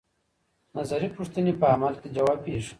نظري پوښتنې په عمل کې ځوابيږي.